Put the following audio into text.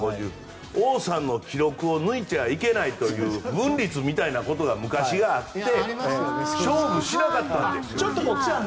王さんの記録を抜いちゃいけないという不文律みたいなことが昔はあって勝負しなかったんです。